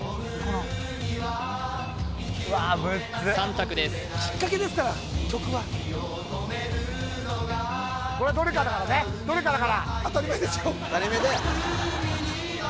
わムズっ３択ですきっかけですから曲はこれどれかだからねどれかだから当たり前ですよ当たり前だよ